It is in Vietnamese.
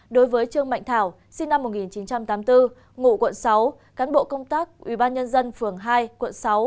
đối với trương mạnh thảo sinh năm một nghìn chín trăm tám mươi bốn ngụ quận sáu cán bộ công tác ubnd phường hai quận sáu